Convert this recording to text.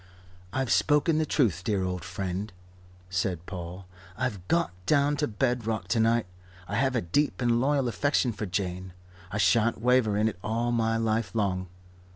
"I've spoken the Truth, dear old friend," said Paul. "I've got down to bed rock to night. I have a deep and loyal affection for Jane. I shan't waver in it all my life long.